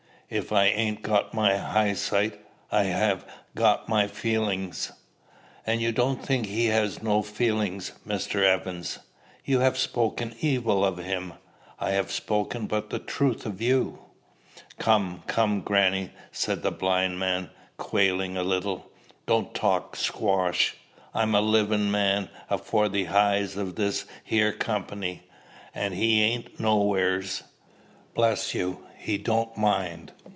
"If I ain't got my heyesight, I ha' got my feelin's." "And do you think he has no feelings, Mr. Evans? You have spoken evil of him: I have spoken but the truth of you!" "Come, come, grannie," said the blind man, quailing a little; "don't talk squash. I'm a livin' man afore the heyes o' this here company, an' he ain't nowheres. Bless you, he don't mind!"